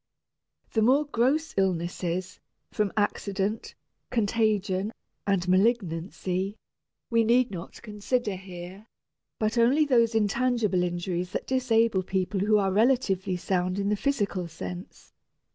The more gross illnesses, from accident, contagion, and malignancy, we need not consider here, but only those intangible injuries that disable people who are relatively sound in the physical sense.